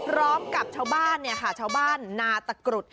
ตร้อมกับชาวบ้านนะ์ชาวบ้านนาแตจะรบ